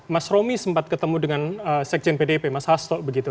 mas romi sempat ketemu dengan sekjen pdp mas hasto begitu